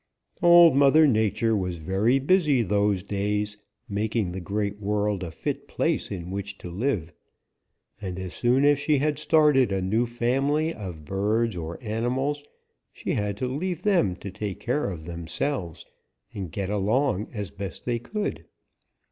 "Old Mother Nature was very busy those days making the Great World a fit place in which to live, and as soon as she had started a new family of birds or animals she had to leave them to take care of themselves and get along as best they could.